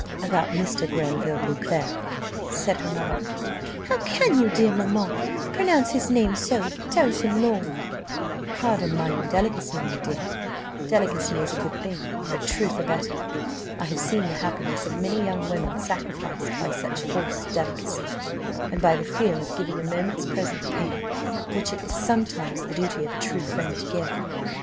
"About Mr. Granville Beauclerc," said her mother. "How can you, dear mamma, pronounce his name so tout an long?" "Pardon my indelicacy, my dear; delicacy is a good thing, but truth a better. I have seen the happiness of many young women sacrificed by such false delicacy, and by the fear of giving a moment's present pain, which it is sometimes the duty of a true friend to give."